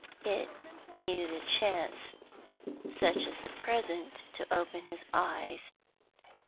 It needed a chance such as the present to open his eyes.